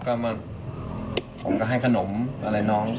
ก็มาผมก็ให้ขนมอะไรน้อง